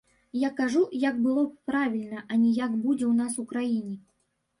Я кажу, як было б правільна, а не як будзе ў нас у кране.